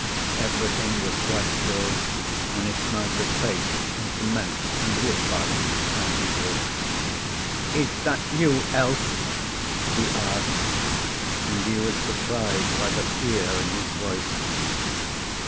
Everything was quite still, and it smelt of paste and cement and wood filings as usual. "Is that you, Else?" he asked, and he was surprised by the fear in his voice.